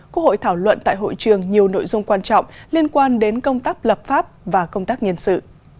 quốc hội thảo luận tại hội trường nhiều nội dung quan trọng liên quan đến công tác lập pháp và công tác nhân sự